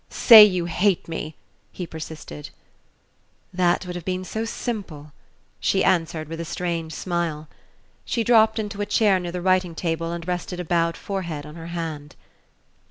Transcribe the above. "Say you hate me!" he persisted. "That would have been so simple," she answered with a strange smile. She dropped into a chair near the writing table and rested a bowed forehead on her hand.